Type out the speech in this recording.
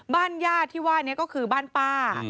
บ้านญาติที่ว่านี้ก็คือบ้านป้า